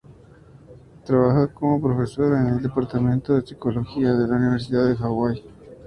Trabaja como profesora en el departamento de psicología de la Universidad de Hawái.